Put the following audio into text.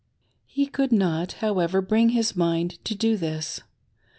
He could not, however, bring his mind to do this.